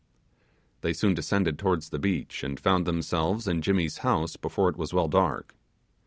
They soon descended towards the beach, and found themselves in Jimmy's house before it was well dark.